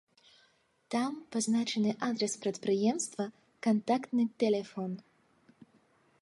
Там пазначаны адрас прадпрыемства, кантактны тэлефон.